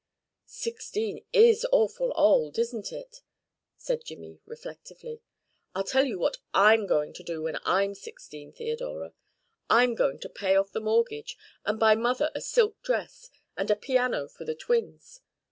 "Sixteen is awful old, isn't it?" said Jimmy reflectively. "I'll tell you what I'm going to do when I'm sixteen, Theodora. I'm going to pay off the mortgage, and buy mother a silk dress, and a piano for the twins.